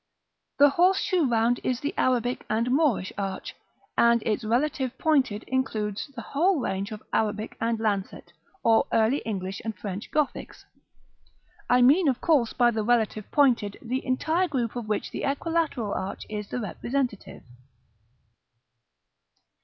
The horseshoe round is the Arabic and Moorish arch, and its relative pointed includes the whole range of Arabic and lancet, or Early English and French Gothics. I mean of course by the relative pointed, the entire group of which the equilateral arch is the representative.